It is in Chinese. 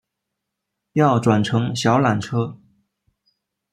要转乘小缆车